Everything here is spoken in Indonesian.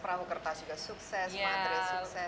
perahu kertas juga sukses